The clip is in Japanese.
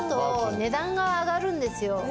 値段が上がるんですよ。